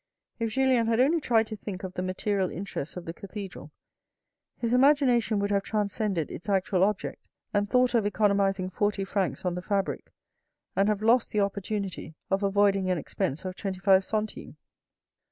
If Julien had only tried to think of the material interests of the cathedral, his imagination would have transcended its actual object and thought of economizing forty francs on the fabric and have lost the opportunity of avoiding an expense of twenty five centimes.